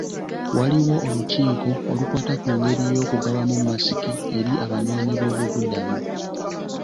Waaliwo olukiiko olukwata ku ngeri y'okugabamu masiki eri Abanoonyiboobubudamu.